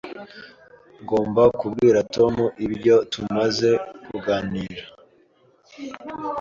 Ngomba kubwira Tom ibyo tumaze kuganira